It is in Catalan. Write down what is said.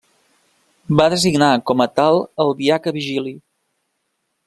Va designar com a tal al diaca Vigili.